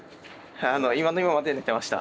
今の今まで寝てました。